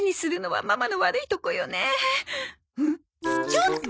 ちょっと！